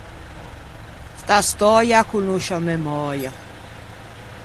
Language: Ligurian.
Sta stöia â conoscio à memöia.